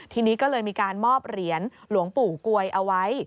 ทีนี้ก็เลยมีการมอบเหรียญหลวงปู่กวยเอาไว้